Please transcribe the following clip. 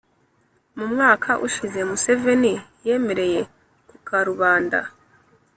mu mwaka ushize museveni yemereye ku karubanda